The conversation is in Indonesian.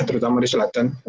terutama di selatan